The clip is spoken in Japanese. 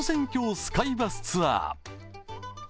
スカイバスツアー。